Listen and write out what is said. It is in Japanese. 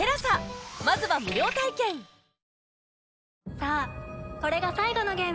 さあこれが最後のゲーム。